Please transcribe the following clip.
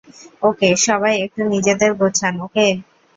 ওকে, সবাই একটু নিজেদের গোছান, ওকে?